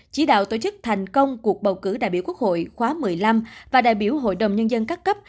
chỉ đạo tổ chức thành công cuộc bầu cử đại biểu quốc hội khóa một mươi năm và đại biểu hội đồng nhân dân các cấp